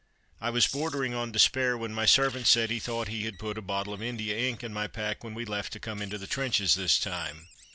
I was bordering on despair, when my servant said he thought he had put a bottle of Indian ink in my pack when we left to come into the trenches this time.